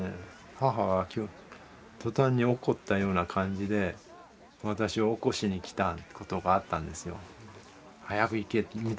母が途端に怒ったような感じで私を起こしに来たことがあったんですよ。早く行けみたいな感じでね。